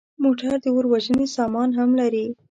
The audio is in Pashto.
موټر د اور وژنې سامان هم لري.